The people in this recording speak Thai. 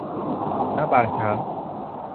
ณ ปางช้าง